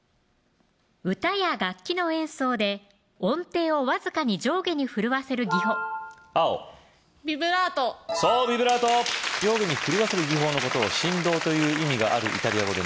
歌や楽器の演奏で音程を僅かに上下に震わせる技法青ビブラートそうビブラート上下に震わせる技法のことを振動という意味があるイタリア語で何というでしょう